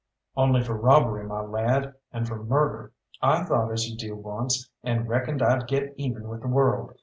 "Only for robbery, my lad, and for murder. I thought as you do once, and reckoned I'd get even with the world.